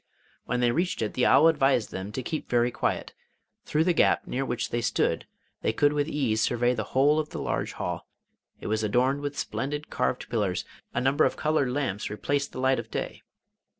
When they reached it the owl advised them to keep very quiet. Through the gap near which they stood they could with ease survey the whole of the large hall. It was adorned with splendid carved pillars; a number of coloured lamps replaced the light of day.